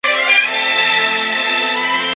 高斯帕县是美国内布拉斯加州南部的一个县。